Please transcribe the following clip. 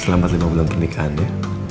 selamat lima bulan pernikahan ya